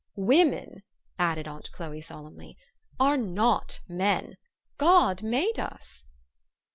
Women." added aunt Chloe solemnly, "are not men. God made us."